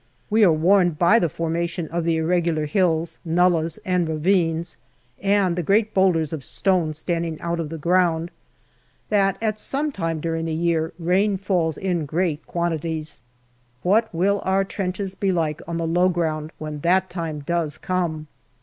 We are warned by the formation of the irregular hills, nullahs, and ravines, and the great boulders of stone standing out of the ground, that at some time during the year rain falls in great quantities. What will our trenches be like on the low ground when that time does come